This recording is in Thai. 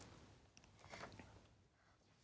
อืมอืม